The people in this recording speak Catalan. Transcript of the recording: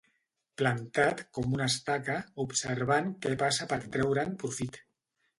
Plantat com una estaca, observant què passa per treure'n profit.